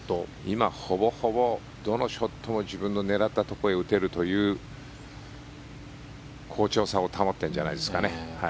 今ほぼほぼどのショットも自分の狙ったところへ打てるという好調さを保っているんじゃないですかね。